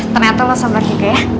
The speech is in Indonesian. ternyata lo sabar ki ke ya